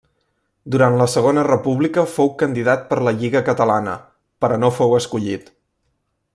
Durant la segona república fou candidat per la Lliga Catalana, però no fou escollit.